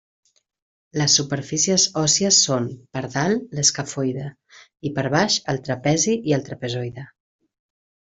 Les superfícies òssies són, per dalt, l'escafoide, i per baix, el trapezi i el trapezoide.